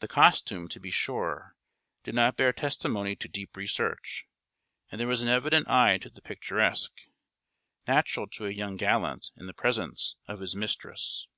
The costume, to be sure, did not bear testimony to deep research, and there was an evident eye to the picturesque, natural to a young gallant in the presence of his mistress.